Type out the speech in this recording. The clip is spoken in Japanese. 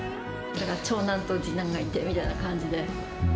長男と次男がいてみたいな感じで。